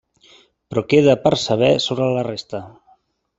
Però queda per saber sobre la resta.